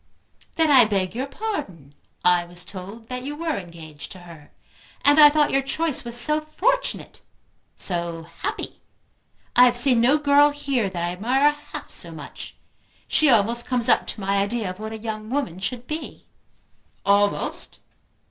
"Then I beg your pardon. I was told that you were engaged to her. And I thought your choice was so fortunate, so happy! I have seen no girl here that I admire half so much. She almost comes up to my idea of what a young woman should be." "Almost!"